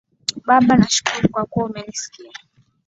Baba nakushukuru kwa kuwa umenisikia